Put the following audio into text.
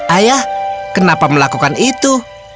ayah kenapa melakukan itu